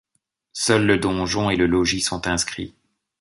Seuls le donjon et le logis sont inscrits.